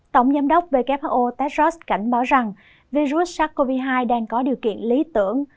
tổng giám đốc who techos cảnh báo rằng virus sars cov hai đang có điều kiện lý tưởng